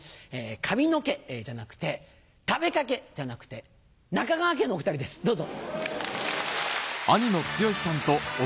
髪の毛じゃなくて食べかけじゃなくて中川家のお２人ですどうぞ！